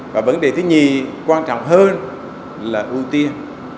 và vấn đề thứ nhì quan trọng hơn là ưu tiên